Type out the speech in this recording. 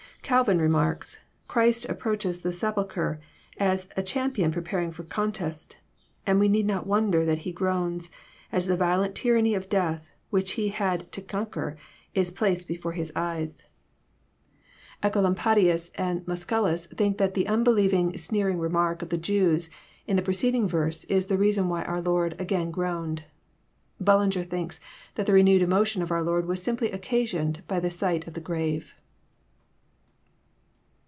Calvin remarks :*' Christ approaches the sepulchre a.^ a cham pion preparing for a contest ; and we need not wonder that He groans, as the yiolent tyranny of death, which He had to con« quer, l»*placed before His eyes." 282 EXPOsrroBT thouohts. Ecolampadias and Mascalos think that the nnbelieying, sneering remark of the Jews in the preceding terse is the reason why our Lord *' again groaned.*' Bnllinger thinks that the renewed emotion of our Lord was simply occasioned by the sight of the grave.